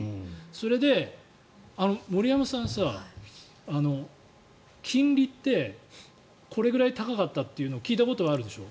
それで、森山さん金利ってこれぐらい高かったっていうのを聞いたことはあるでしょ？